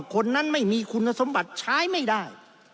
คนนั้นไม่มีคุณสมบัติใช้ไม่ได้